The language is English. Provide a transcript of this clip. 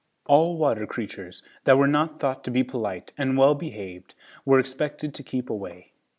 All water creatures that were not thought to be polite and well behaved were expected to keep away.